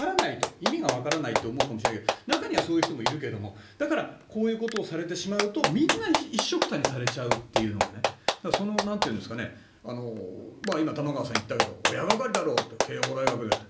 意味がわからないって思うかもしれないけど中にはそういう人もいるけれどだから、こういうことをされてしまうとみんな一緒くたにされてしまうというのが今、玉川さんが言ったけど親がかりだと慶応大学でと。